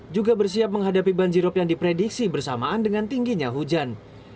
juga bersiap menghadapi banjirop yang diprediksi bersamaan dengan tingginya hujan